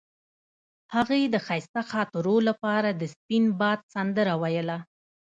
هغې د ښایسته خاطرو لپاره د سپین باد سندره ویله.